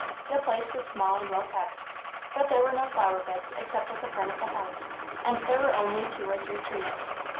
The place was small and well kept, but there were no flower beds except at the front of the house, and there were only two or three trees.